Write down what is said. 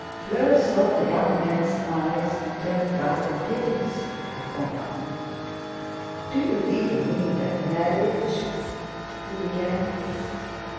Fleur saw the young man's eyes turn rather piteously upon her. "Do you really mean that marriage—?" he began.